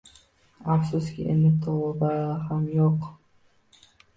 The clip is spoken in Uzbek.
Afsuski, endi tova ham yo`q